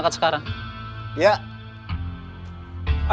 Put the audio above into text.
dari rasiko bagi ella